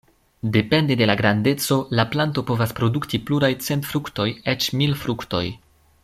Depende de la grandeco la planto povas produkti pluraj cent fruktoj, eĉ mil fruktoj.